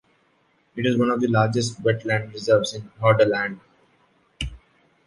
It is one of the largest wetland reserves in Hordaland.